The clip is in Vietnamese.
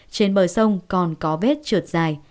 trên bờ sông còn có vết trượt dài